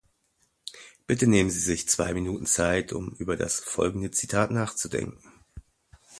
Bitte nehmen Sie sich zwei Minuten Zeit, um über das folgende Zitat nachzudenken: